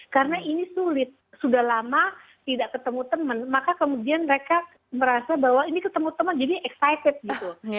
karena ini sulit sudah lama tidak ketemu teman maka kemudian mereka merasa bahwa ini ketemu teman jadi excited gitu